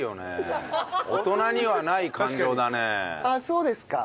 「そうですか？」。